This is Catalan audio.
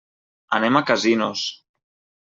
Anem a Casinos.